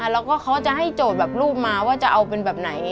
แล้วก็เขาจะให้โจทย์แบบรูปมาว่าจะเอาเป็นแบบไหน